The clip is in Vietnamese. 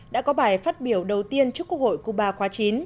đã có bài phát biểu đầu tiên trước quốc hội cuba chín